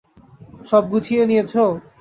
সব গুছিয়ে নিয়েছো?